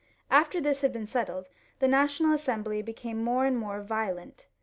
' After this had been settled the National Assembly be came more and more violent.